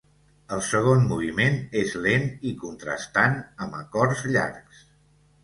El segon moviment és lent i contrastant, amb acords llargs.